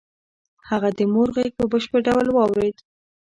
هغه د مور غږ په بشپړ ډول واورېد